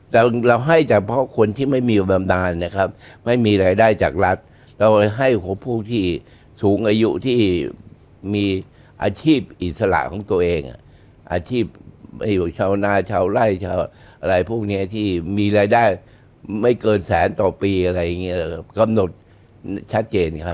แต่เราให้เฉพาะคนที่ไม่มีอยู่บำนานนะครับไม่มีรายได้จากรัฐเราให้ผู้ที่สูงอายุที่มีอาชีพอิสระของตัวเองอาชีพชาวนาชาวไล่ชาวอะไรพวกนี้ที่มีรายได้ไม่เกินแสนต่อปีอะไรอย่างนี้กำหนดชัดเจนครับ